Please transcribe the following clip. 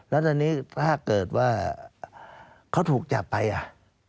แล้วตอนนี้ถ้าเกิดว่าเขาถูกจับไปอ่ะ